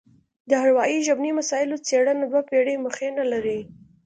د اروايي ژبني مسایلو څېړنه دوه پېړۍ مخینه لري